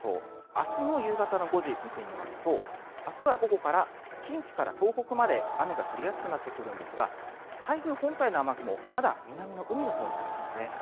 明日の夕方の５時、見てみますと明日は午後から近畿から東北まで雨が降りやすくなってくるんですが台風本体の雨雲はまだ南の海のほうにあるんです。